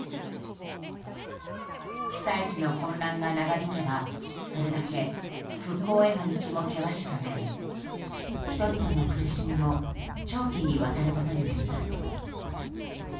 被災地の混乱が長引けばそれだけ復興への道も険しくなり人々の苦しみも長期にわたることになります。